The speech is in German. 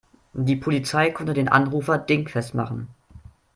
Die Polizei konnte den Anrufer dingfest machen.